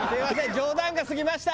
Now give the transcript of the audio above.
冗談が過ぎました。